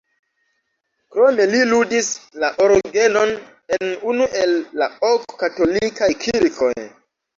Krome li ludis la orgenon en unu el la ok katolikaj kirkoj.